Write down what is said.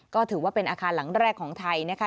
ก็ถือว่าเป็นอาคารหลังแรกของไทยนะคะ